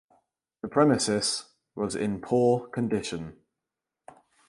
The premises was in poor condition.